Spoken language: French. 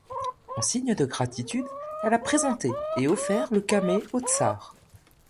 En signe de gratitude, elle a présenté et offert le camée au Tsar.